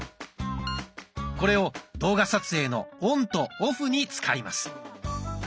これを動画撮影のオンとオフに使います。